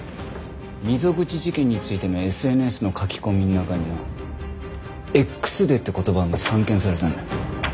溝口事件についてのＳＮＳの書き込みの中にな「Ｘデー」って言葉が散見されたんだ。